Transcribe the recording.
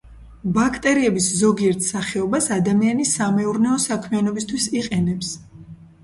ბაქტერიების ზოგიერთ სახეობას ადამიანი სამეურნეო საქმიანობისთვის იყენებს.